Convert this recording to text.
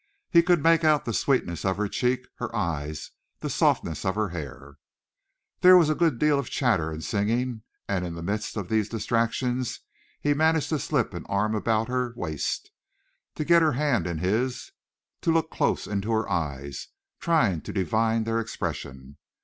He could make out the sweetness of her cheek, her eyes, the softness of her hair. There was a good deal of chatter and singing, and in the midst of these distractions he managed to slip an arm about her waist, to get her hand in his, to look close into her eyes, trying to divine their expression.